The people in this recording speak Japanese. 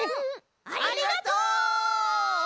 ありがとう！